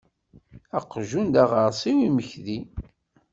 Aqjun d aɣersiw imekdi.